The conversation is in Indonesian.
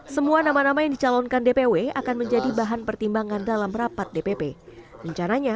semua nama nama yang dicalonkan dpw akan menjadi bahan pertimbangan